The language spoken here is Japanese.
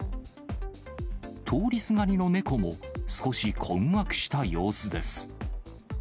通りすがりのネコも、少し困惑した様子です。